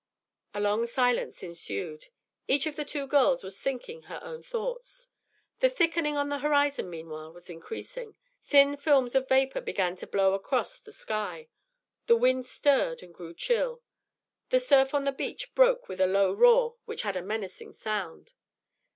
A long silence ensued. Each of the two girls was thinking her own thoughts. The thickening on the horizon meanwhile was increasing. Thin films of vapor began to blow across the sky. The wind stirred and grew chill; the surf on the beach broke with a low roar which had a menacing sound.